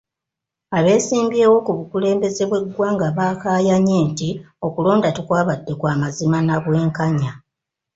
Abeesimbyewo ku bukulembeze bw'eggwanga baakaayanye nti okulonda tekwabadde kw'amazima na bwenkanya.